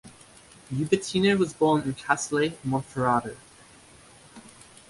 Ubertino was born in Casale Monferrato.